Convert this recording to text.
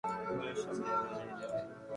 ওগুলো সাব-লেভেলে যায়।